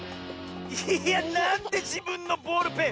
いやなんでじぶんのボールペン⁉